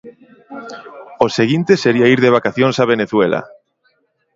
O seguinte sería ir de vacacións a Venezuela.